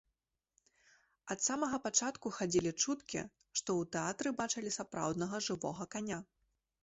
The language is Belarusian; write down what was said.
Ад самага пачатку хадзілі чуткі, што ў тэатры бачылі сапраўднага жывога каня.